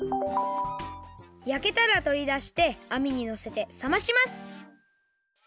やけたらとりだしてあみにのせてさまします。